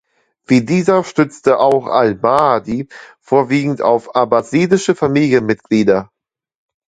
Wie dieser stützte sich auch al-Mahdi vorwiegend auf abbasidische Familienmitglieder.